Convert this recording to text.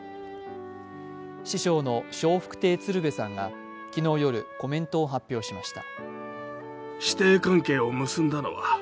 師匠の笑福亭鶴瓶さんが昨日夜、コメントを発表しました。